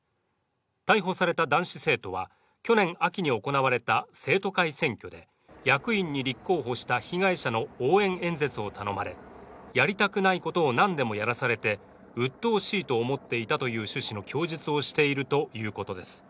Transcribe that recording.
逮捕された男子生徒は、去年秋に行われた生徒会選挙で役員に立候補した被害者の応援演説を頼まれやりたくないことをなんでもやらされてうっとうしいと思っていたという趣旨の供述をしているということです。